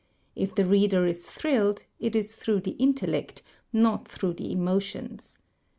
If the reader is thrilled, it is through the intellect, not through the emo tions.